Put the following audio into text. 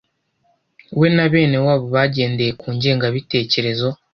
we na bene wabo bagendeye ku ngengabitekerezo